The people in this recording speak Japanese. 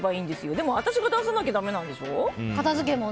でも私が出さなきゃだめなんでしょ。